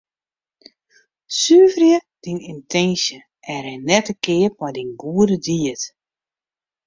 Suverje dyn yntinsje en rin net te keap mei dyn goede died.